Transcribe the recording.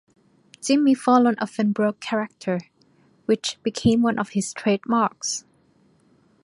Jimmy Fallon often broke character, which became one of his trademarks.